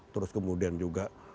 terus kemudian juga